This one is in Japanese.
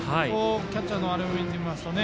キャッチャーを見てみますと。